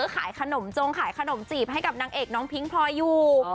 ขายขนมจงขายขนมจีบให้กับนางเอกน้องพิ้งพลอยอยู่